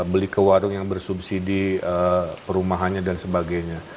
beli ke warung yang bersubsidi perumahannya dan sebagainya